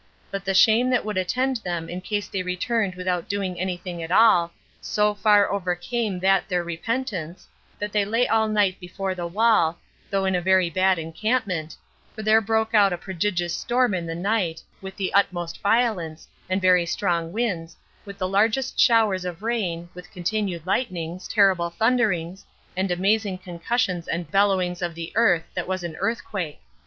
But the shame that would attend them in case they returned without doing any thing at all, so far overcame that their repentance, that they lay all night before the wall, though in a very bad encampment; for there broke out a prodigious storm in the night, with the utmost violence, and very strong winds, with the largest showers of rain, with continued lightnings, terrible thunderings, and amazing concussions and bellowings of the earth, that was in an earthquake.